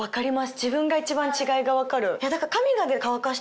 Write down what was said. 自分が一番違いが分かる。